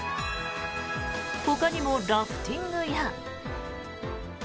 ほかにもラフティングや。